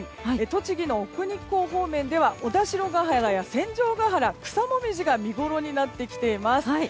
栃木の奥日光方面では小田代原や戦場ヶ原、草モミジが見ごろになっています。